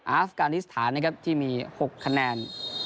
อาฟกานิสถานนะครับที่มี๖คะแนน